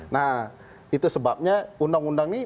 nah itu sebabnya undang undang ini